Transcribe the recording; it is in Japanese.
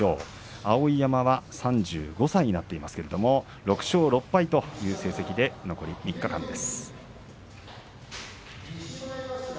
碧山は３５歳になっていますが６勝６敗という成績で残り３日間です。